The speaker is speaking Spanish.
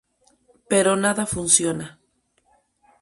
Pero nada funciona.